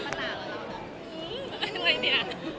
อะไรเนี่ย